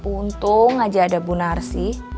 untung aja ada bunarsi